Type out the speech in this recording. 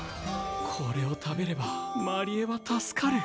これを食べれば真理恵は助かる！